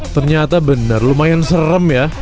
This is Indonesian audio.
ternyata benar lumayan serem ya